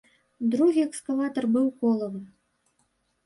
Другі экскаватар быў колавы.